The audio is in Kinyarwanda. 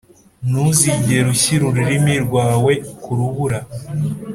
ntuzigere ushyira ururimi rwawe ku rubura